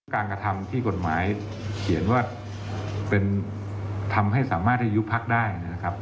การกระทำที่กฎหมายเขียนว่าทำให้สามารถที่ยุคพักได้